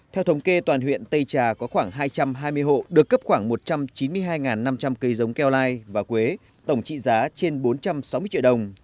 theo thống kê toàn huyện tây trà có khoảng hai trăm hai mươi hộ được cấp khoảng một trăm chín mươi hai năm trăm linh cây giống keo lai và quế tổng trị giá trên bốn trăm sáu mươi triệu đồng